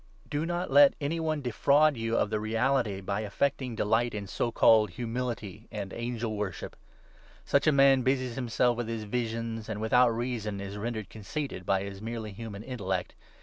Do not let any one 18 defraud you of the reality by affecting delight in so called 3 Isa. 45. 3 ; Prov. a. 3—4. 380 COLOSSIANS, 2 3. ' humility ' and angel worship. Such a man busies himself with his visions, and without reason is rendered conceited by his merely human intellect.